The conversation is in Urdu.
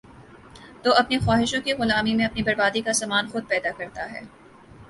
تو اپنی خواہشوں کی غلامی میں اپنی بربادی کا سامان خود پیدا کرتا ہے ۔